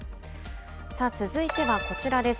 続いてはこちらです。